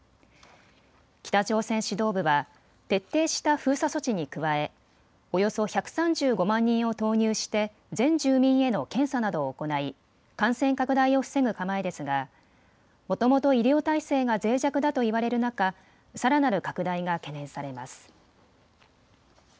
北朝鮮指導部は徹底した封鎖措置に加えおよそ１３５万人を投入して全住民への検査などを行い感染拡大を防ぐ構えですがもともと医療体制がぜい弱だといわれる中、さらなる拡大が懸念されます。